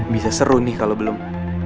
bisa seru nih kalau belum